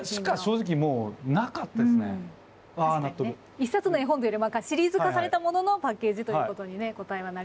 一冊の絵本というよりかはシリーズ化されたもののパッケージということに答えはなりましたが。